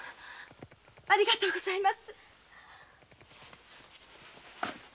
ありがとうございます。